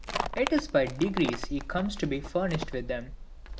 It is BY DEGREES he comes to be furnished with them.